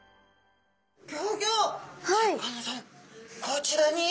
こちらに。